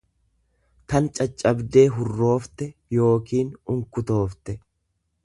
tan caccabdee hurroofte yookiin unkutoofte.